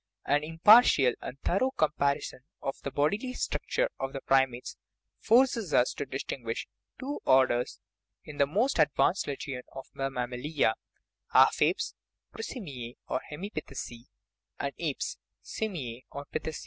An impartial and thorough comparison of the bodily structure of the primates forces us to distingiush two orders in this most advanced legion of the mammalia half apes (prosimiae or hemipitheci) and apes (simiae or pithed).